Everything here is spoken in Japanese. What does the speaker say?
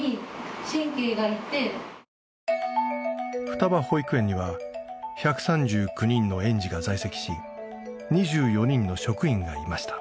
双葉保育園には１３９人の園児が在籍し２４人の職員がいました。